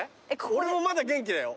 俺もまだ元気だよ。